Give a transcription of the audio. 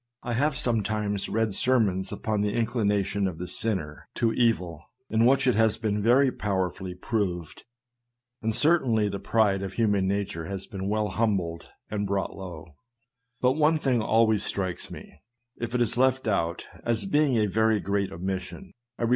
I have sometimes read sermons upon the inclination of the sinner to evil, in which it has been very powerfully proved, and certainly the pride of human nature has been well humbled and brought low ; but one thing always strikes me, if it is left out, as being a very great omission ; viz.